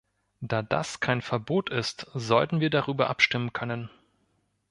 Da das kein Verbot ist, sollten wir darüber abstimmen können.